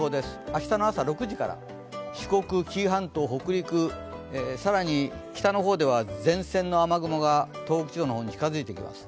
明日の朝６時から、四国、紀伊半島、北陸、更に北の方では前線の雨雲が東北地方の方に近づいていきます。